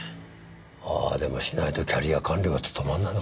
ああでもしないとキャリア官僚は務まんないのかもな。